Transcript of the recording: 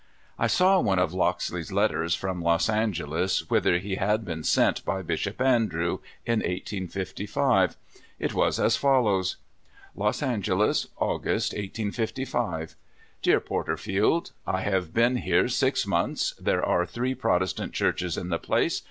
I saw one of Lockley' s letters from Los Ange les, wdiither he had been sent by Bishop Andrew, in 1855. It w^as as follows: Los Angeles, August, 1855. Dear Portcrfield: I have been here six months. There are three Protestant Churches in the place.